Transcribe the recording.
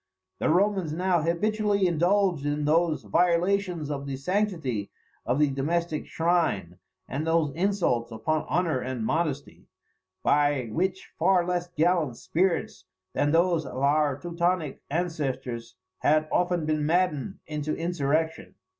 The Romans now habitually indulged in those violations of the sanctity of the domestic shrine, and those insults upon honour and modesty, by which far less gallant spirits than those of our Teutonic ancestors have often been maddened into insurrection.